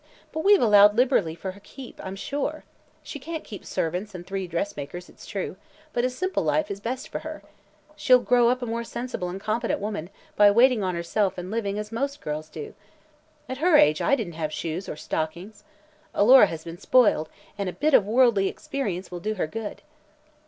But we've allowed liberally for her keep, I'm sure. She can't keep servants and three dressmakers, it's true, but a simple life is best for her. She'll grow up a more sensible and competent woman by waiting on herself and living; as most girls do. At her age I didn't have shoes or stockings. Alora has been spoiled, and a bit of worldly experience will do her good."